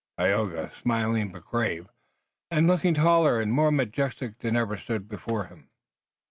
Tayoga, smiling but grave, and looking taller and more majestic than ever, stood before him.